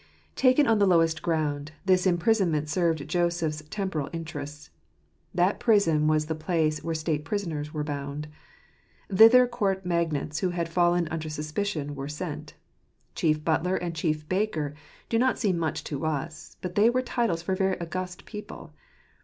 — Taken on the lowest ground, this imprisonment served Joseph's temporal interests. That prison was the place where state prisoners were bound. Thither court magnates who had fallen under suspicion were sent. Chief butler and chief baker do not seem much to us, but they were titles for very august people.